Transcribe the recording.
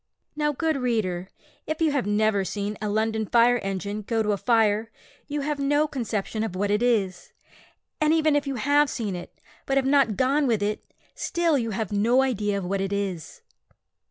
Now, good reader, if you have never seen a London fire engine go to a fire, you have no conception of what it is; and even if you have seen it, but have not gone with it, still you have no idea of what it is.